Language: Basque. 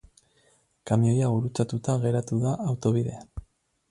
Kamioia gurutzatuta geratu da autobidean.